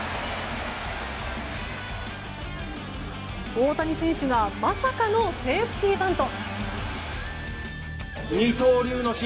大谷選手がまさかのセーフティーバント。